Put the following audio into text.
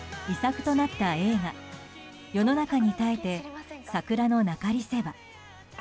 遺作となった映画「世の中にたえて桜のなかりせば」。